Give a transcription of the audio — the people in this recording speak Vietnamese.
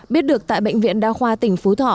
biết được tại bệnh viện đa khoa tỉnh phú thọ